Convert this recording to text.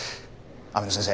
雨野先生